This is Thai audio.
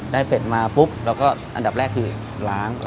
ได้เป็ดมาปุ๊บเราก็อันดับแรกคือล้าง